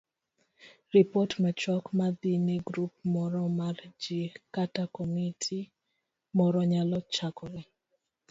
Ripot machuok madhi ne grup moro mar ji kata komiti moro nyalo chakore